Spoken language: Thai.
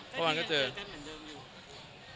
ก็เพิ่งเจอกันเหมือนเดิมอยู่